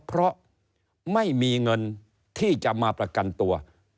เพราะไม่มีเงินที่จะมาประกันตัว